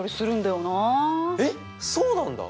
えっそうなんだ！